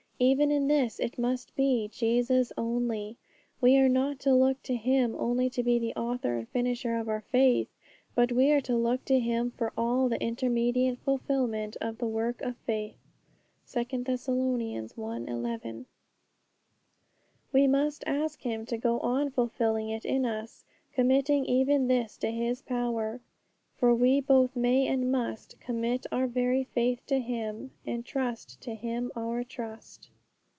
Even in this it must be 'Jesus only'; we are not to look to Him only to be the Author and Finisher of our faith, but we are to look to Him for all the intermediate fulfilment of the work of faith (2 Thess. i. 11); we must ask Him to go on fulfilling it in us, committing even this to His power. For we both may and must Commit our very faith to Him, Entrust to him our trust.